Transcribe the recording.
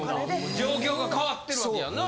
状況が変わってるわけやな。